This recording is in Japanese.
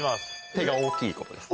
手が大きいんです。